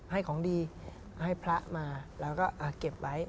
ให้ของดีให้พระมาแล้วก็เก็บไว้